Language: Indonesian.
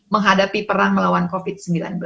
menghadapi perang melawan covid sembilan belas